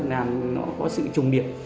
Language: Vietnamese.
làm nó có sự trùng điện